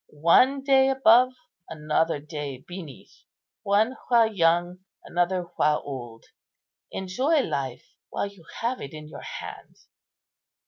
One day above, another day beneath; one while young, another while old. Enjoy life while you have it in your hand."